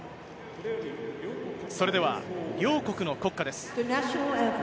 それでは、両国の国歌です。